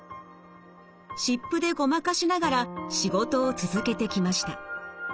湿布でごまかしながら仕事を続けてきました。